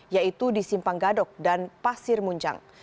yaitu di simpang gadok dan pasir munjang